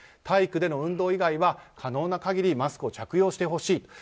体育での運動以外は可能な限りマスクを着用してほしい。